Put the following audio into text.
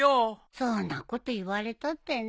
そんなこと言われたってね。